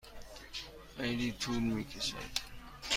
خیلی طول می کشد.